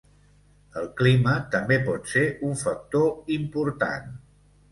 El clima també pot ser un factor important.